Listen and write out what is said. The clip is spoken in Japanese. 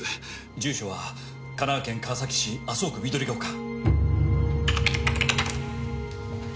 住所は神奈川県川崎市麻生区緑ヶ丘。